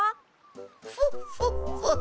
フォッフォッフォッ。